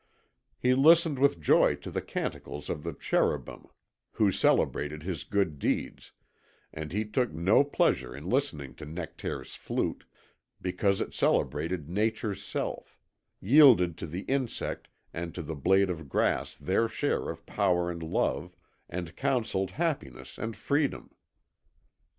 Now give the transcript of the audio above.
He listened with joy to the canticles of the cherubim who celebrated his good deeds, and he took no pleasure in listening to Nectaire's flute, because it celebrated nature's self, yielded to the insect and to the blade of grass their share of power and love, and counselled happiness and freedom.